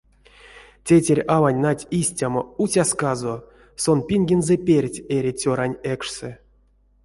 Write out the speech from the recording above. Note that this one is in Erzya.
Тейтерь-аванть, нать, истямо уцясказо, сон пингензэ перть эри цёрань экшсэ.